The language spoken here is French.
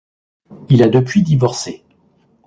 Il a depuis divorcé.